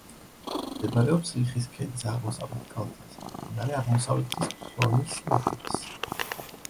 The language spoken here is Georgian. მდებარეობს ლიხის ქედის აღმოსავლეთ კალთაზე, მდინარე აღმოსავლეთის ფრონის ნაპირას.